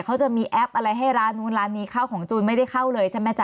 เขาจะมีแอปอะไรให้ร้านนู้นร้านนี้เข้าของจูนไม่ได้เข้าเลยใช่ไหมจ๊